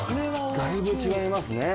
だいぶ違いますね。